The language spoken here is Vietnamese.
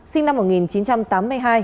sinh năm một nghìn chín trăm tám mươi hai